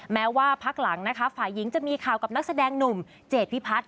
แม้ว่าพักหลังนะคะฝ่ายหญิงจะมีข่าวกับนักแสดงหนุ่มเจดพิพัฒน